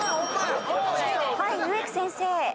はい植木先生。